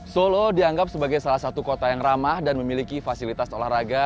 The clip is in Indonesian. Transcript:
solo dianggap sebagai salah satu kota yang ramah dan memiliki fasilitas olahraga